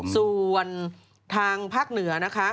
ส่วนทางภาคเหนือนะคะ